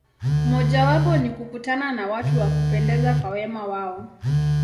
Mojawapo ni kukutana na watu wa kupendeza kwa wema wao.